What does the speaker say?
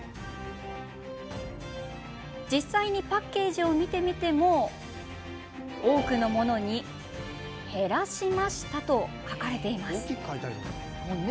実際にパッケージを見てみても多くのものに減らしましたと書かれています。